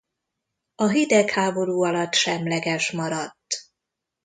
A hidegháború alatt semleges maradt.